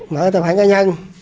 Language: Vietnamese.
mở tài khoản cá nhân